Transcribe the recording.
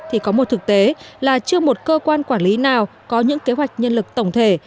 thì có một thực tế là chưa một cơ quan quản lý nào có những kế hoạch nhân lực tổng thể